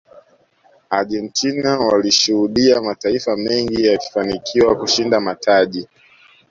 argentina waliishuhudia mataifa mengi yakifanikiwa kushinda mataji